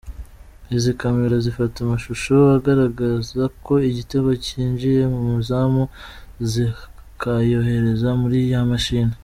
Izi camera zifata amashusho agaragaza ko igitego cyinjiye mu izamu, zikayohereza muri ya mashini.